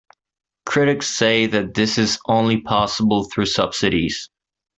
Critics say that this is only possible through subsidies.